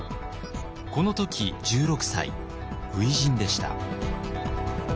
この時１６歳初陣でした。